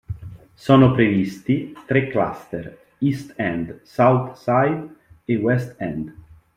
Sono previsti tre cluster: "East End", "South Side" e "West End".